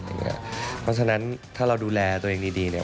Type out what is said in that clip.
เพราะฉะนั้นถ้าเราดูแลตัวเองดีเนี่ย